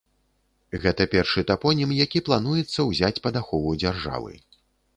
Гэта першы тапонім, які плануецца ўзяць пад ахову дзяржавы.